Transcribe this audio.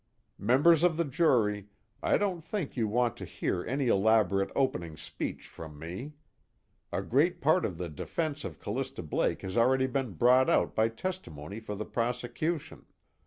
"Members of the jury, I don't think you want to hear any elaborate opening speech from me. A great part of the defense of Callista Blake has already been brought out by testimony for the prosecution.